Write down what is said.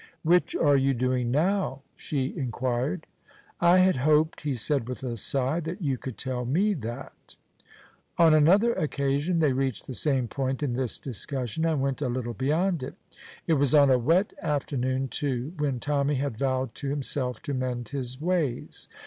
"Which are you doing now?" she inquired. "I had hoped," he said with a sigh, "that you could tell me that." On another occasion they reached the same point in this discussion, and went a little beyond it. It was on a wet afternoon, too, when Tommy had vowed to himself to mend his ways.